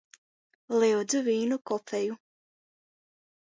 Lyudzu, vīnu kofeju!